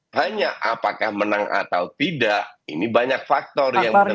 hanya apakah menang atau tidak ini banyak faktor yang menentukan